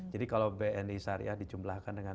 jadi kalau bni syariah dicumplahkan dengan